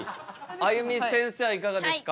あゆみせんせいはいかがですか？